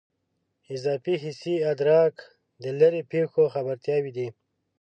اضافي حسي ادراک د لیرې پېښو خبرتیاوې دي.